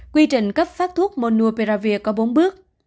quy trình cấp phát thuốc monopiravir có bốn bước